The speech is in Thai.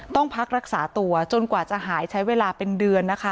ต้องพักรักษาตัวจนกว่าจะหายใช้เวลาเป็นเดือนนะคะ